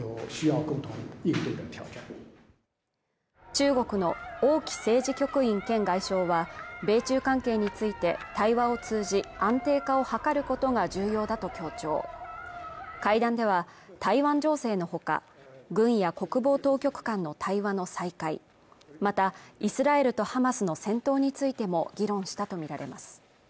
中国の王毅政治局員兼外相は米中関係について対話を通じ安定化を図ることが重要だと強調会談では台湾情勢のほか軍や国防当局間の対話の再開またイスラエルとハマスの戦闘についても議論したと見られます